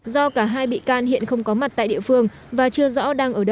do cả hai bị can hiện không có